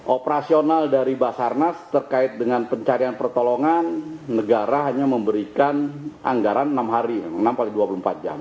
operasional dari basarnas terkait dengan pencarian pertolongan negara hanya memberikan anggaran enam hari enam x dua puluh empat jam